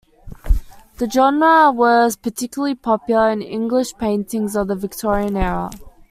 The genre was particularly popular in English paintings of the Victorian era.